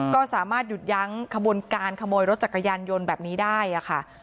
ก็สามารถหยุดยั้งขบวนการขโมยรถจักรยานยนต์แบบนี้ได้ค่ะ